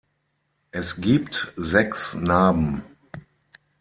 Es gibt sechs Narben.